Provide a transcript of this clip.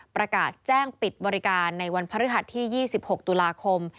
ประกาศแจ้งปิดบริการในวันพฤหัสที่๒๖ตุลาคม